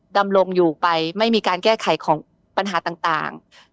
ดำรงอยู่ไปไม่มีการแก้ไขของปัญหาต่าง